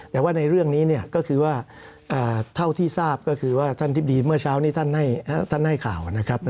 แต่ว่าในเรื่องนี้ก็คือว่าเท่าที่ทราบก็คือว่าท่านทิบดีเมื่อเช้านี้ท่านให้ข่าวนะครับ